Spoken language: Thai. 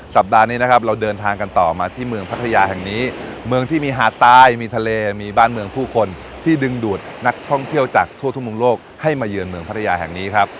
สัปดาห์นี้นะครับเราเดินทางกันต่อมาที่เมืองพัทยาแห่งนี้เมืองที่มีหาดตายมีทะเลมีบ้านเมืองผู้คนที่ดึงดูดนักท่องเที่ยวจากทั่วทุกมุมโลกให้มาเยือนเมืองพัทยาแห่งนี้ครับ